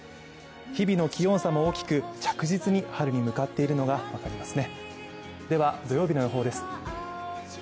日々の気温差も大きく、着実に春に向かっているのが分かりますね。